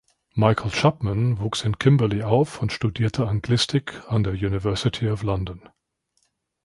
Michael Chapman wuchs in Kimberley auf und studierte Anglistik an der University of London.